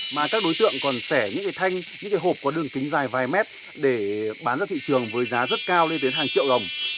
mà các đối tượng còn sẻ những cái thanh những cái hộp có đường kính dài vài mét để bán ra thị trường với giá rất cao lên đến hàng triệu đồng